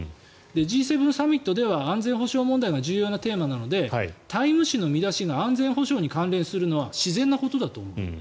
Ｇ７サミットでは安全保障問題が重要なテーマなので「タイム」誌の見出しが安全保障に関連するのは自然なことだと思うと。